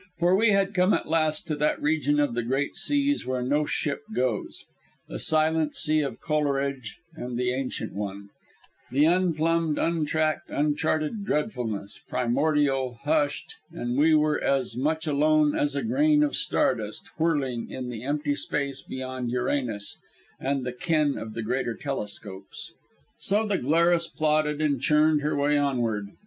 For we had come at last to that region of the Great Seas where no ship goes, the silent sea of Coleridge and the Ancient One, the unplumbed, untracked, uncharted Dreadfulness, primordial, hushed, and we were as much alone as a grain of star dust whirling in the empty space beyond Uranus and the ken of the greater telescopes. So the Glarus plodded and churned her way onward.